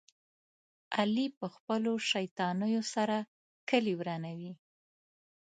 علي په خپلو شیطانیو سره کلي ورانوي.